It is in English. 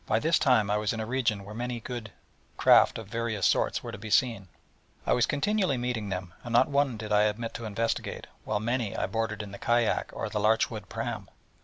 By this time I was in a region where a good many craft of various sorts were to be seen; I was continually meeting them; and not one did I omit to investigate, while many I boarded in the kayak or the larch wood pram.